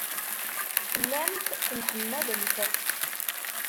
Tellamt temḥemmalemt.